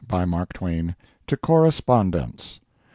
BY MARK TWAIN. TO CORRESPONDENTS.